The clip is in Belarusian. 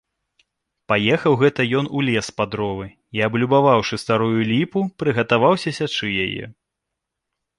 Паехаў гэта ён у лес па дровы і, аблюбаваўшы старую ліпу, прыгатаваўся сячы яе.